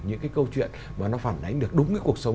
những cái câu chuyện mà nó phản ánh được đúng cái cuộc sống